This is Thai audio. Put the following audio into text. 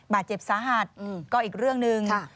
บาดเจ็บสาหัสก็อีกเรื่องหนึ่ง